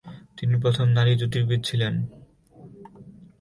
তিনি প্রথম নারী জ্যোতির্বিদ ছিলেন।